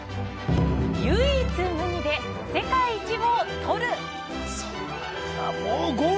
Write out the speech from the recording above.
唯一無二で世界一を獲る。